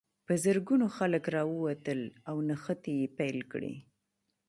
په زرګونو خلک راووتل او نښتې یې پیل کړې.